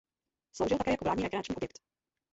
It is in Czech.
Sloužil také jako vládní rekreační objekt.